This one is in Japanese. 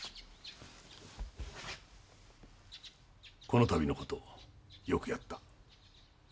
この度の事よくやった。